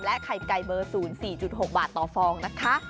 และไข่ไก่เบอร์ศูนย์๔๖บาทต่อฟองนะคะ